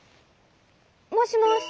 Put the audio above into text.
もしもし。